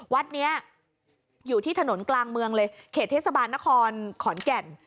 วัดนี้อยู่ที่ถนนกลางเมืองเลยเขตเทศบาลนครขอนแก่น